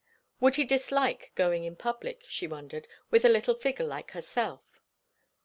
Would he dislike going in public, she wondered, with a little figure like herself?